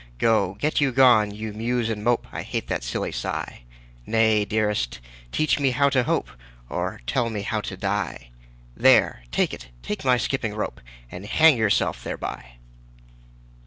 Go, get you gone, you muse and mopeâ I hate that silly sigh. Nay, dearest, teach me how to hope, Or tell me how to die. There, take it, take my skipping rope, And hang yourself thereby.